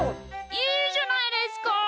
いいじゃないですか。